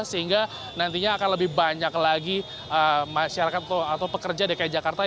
sehingga nantinya akan lebih banyak lagi masyarakat atau pekerja dki jakarta